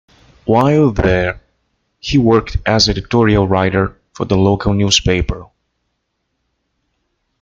While there he worked as editorial writer for the local newspaper.